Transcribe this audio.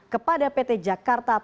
kepada pt jakarta